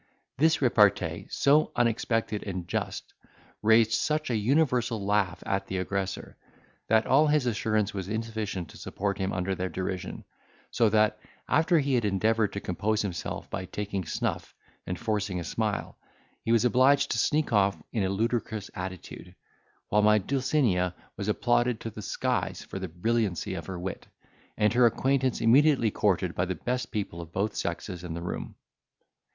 This repartee so unexpected and just, raised such a universal laugh at the aggressor, that all his assurance was insufficient to support him under their derision; so that, after he had endeavoured to compose himself by taking snuff and forcing a smile, he was obliged to sneak off in a ludicrous attitude, while my Dulcinea was applauded to the skies for the brilliancy of her wit, and her acquaintance immediately courted by the best people of both sexes in the room.